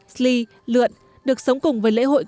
sli lượn được sống cùng với lễ hội